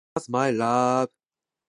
Art was my love.